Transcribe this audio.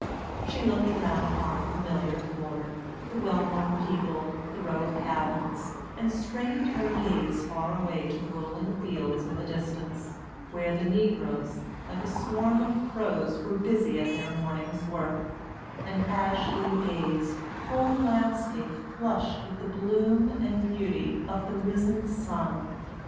She looked around upon the familiar quarter, the well known people, the row of cabins; and strained her gaze far away to the rolling fields in the distance, where the negroes, like a swarm of crows, were busy at their morning's work; and as she gazed, the whole landscape flushed with the bloom and beauty of the risen sun.